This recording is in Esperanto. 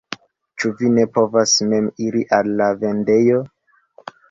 Ĉu vi ne povas mem iri al la vendejo?